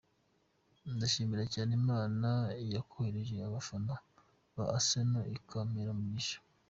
Ndashimira cyane Imana yakoresheje abafana ba Arsenal, izabampere umugisha.